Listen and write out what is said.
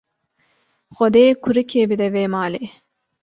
Xwedê kurikê bide vê malê.